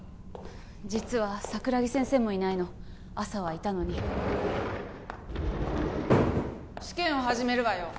実は桜木先生もいないの朝はいたのに試験を始めるわよ